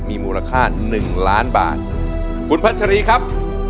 มีมูลค่าหนึ่งล้านบาทคุณพัชรีครับ